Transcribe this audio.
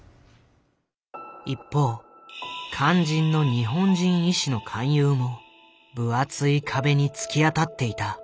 一方肝心の日本人医師の勧誘も分厚い壁に突き当たっていた。